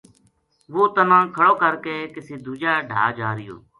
وہ تنا کھڑو کر کے کسے دوجا ڈھا جا رہیو